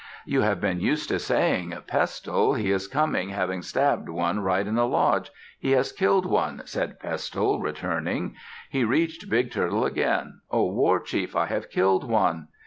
"You have been used to saying 'Pestle.' He is coming, having stabbed one right at the lodge. He has killed one," said Pestle, returning. He reached Big Turtle again. "O war chief, I have killed one."